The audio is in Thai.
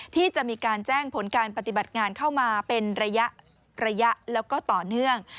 ที่จะมีการแจ้งผลการปฏิบัติงานเข้ามาเป็นระยะแล้วก็ต่อเนื่อง